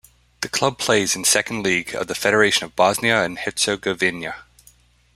The club plays in Second League of the Federation of Bosnia and Herzegovina.